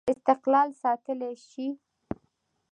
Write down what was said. استقلال ساتلای شي.